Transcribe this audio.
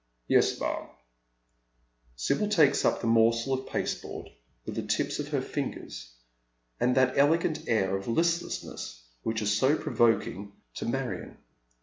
"YeB, ma'am." Sibyl takes up the morsel of pasteboard with the tips of her fingers, and that elegant air of listlessness which is so provoking to Marion.